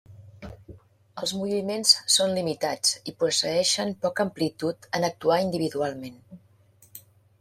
Els moviments són limitats i posseeixen poca amplitud en actuar individualment.